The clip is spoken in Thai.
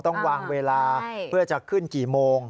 ต้องวางเวลาเพื่อจะขึ้นกี่โมง